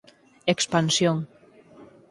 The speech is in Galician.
Expansión.